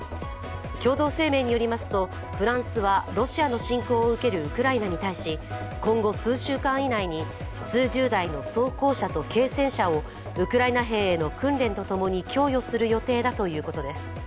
共同声明によりますとフランスはロシアの侵攻を受けるウクライナに対し今後、数週間以内に数十台の装甲車と軽戦車をウクライナ兵への訓練と共に供与する予定だということです。